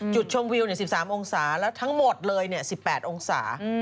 จุดชมวิว๑๓องศาแล้วทั้งหมดเลย๑๘องศา